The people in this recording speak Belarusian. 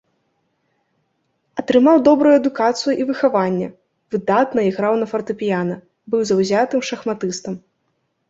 Атрымаў добрую адукацыю і выхаванне, выдатна іграў на фартэпіяна, быў заўзятым шахматыстам.